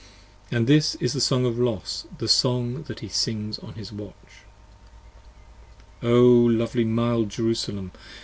And this is the Song of Los, the Song that he sings on his Watch. lovely mild Jerusalem!